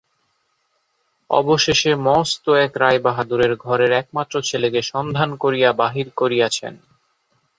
অবশেষে মস্ত এক রায়বাহাদুরের ঘরের একমাত্র ছেলেকে সন্ধান করিয়া বাহির করিয়াছেন।